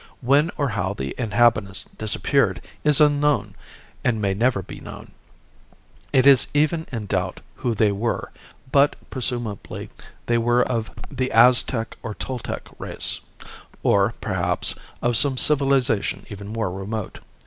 When or how the inhabitants disappeared is unknown and may never be known. It is even in doubt who they were, but, presumably, they were of the Aztec or Toltec race; or, perhaps, of some civilization even more remote.